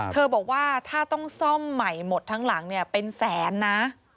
บอกว่าถ้าต้องซ่อมใหม่หมดทั้งหลังเนี่ยเป็นแสนนะ